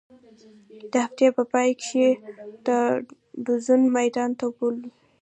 د هفتې په پاى کښې يې د ډزو ميدان ته بېولو.